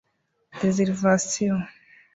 reservations